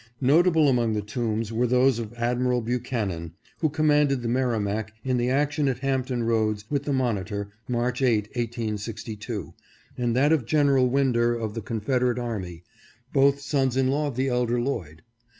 Notable among the tombs were those of Admiral Buchanan, who commanded the Merrimac in the action at Hampton Roads with the Monitor, March 8, 1862, and that of General Winder of the Confederate army, both sons in law of the elder Lloyd.